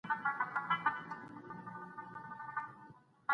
پوهه تر ناپوهۍ ډېره ګټوره ده.